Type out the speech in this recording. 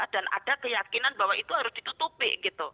dan ada keyakinan bahwa itu harus ditutupi